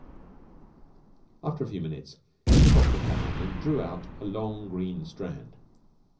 After a few minutes he took off the pan and drew out a long green strand.